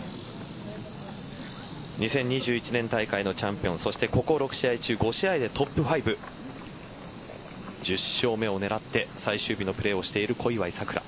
２０２１年大会のチャンピオンそして、ここ６試合中５試合でトップ５１０勝目を狙って最終日のプレーをしている小祝さくら。